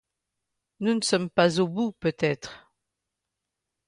Nous ne sommes pas au bout peut-être.